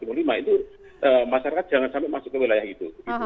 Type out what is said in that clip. itu masyarakat jangan sampai masuk ke wilayah itu